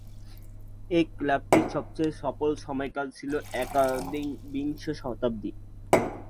এই ক্লাবটির সবচেয়ে সফল সময়কাল ছিল একবিংশ শতাব্দী।